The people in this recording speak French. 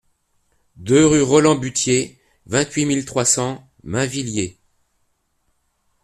deux rue Roland Buthier, vingt-huit mille trois cents Mainvilliers